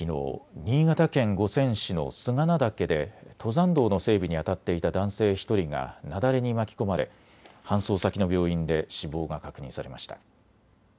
新潟県五泉市の菅名岳で登山道の整備にあたっていた男性１人が雪崩に巻き込まれ搬送先の病院で死亡が確認されました。